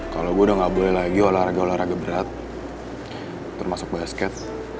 kalau gue udah gak boleh lagi olahraga olahraga berat termasuk basket